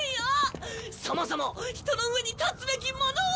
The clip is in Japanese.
そもそも人の上に立つべき者は。